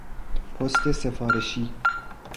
پست سفارشی